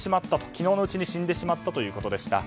昨日のうちに死んでしまったということでした。